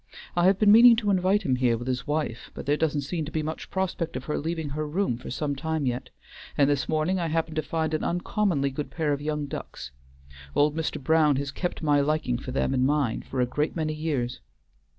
I have been meaning to invite him here with his wife, but there doesn't seem to be much prospect of her leaving her room for some time yet, and this morning I happened to find an uncommonly good pair of young ducks. Old Mr. Brown has kept my liking for them in mind for a great many years.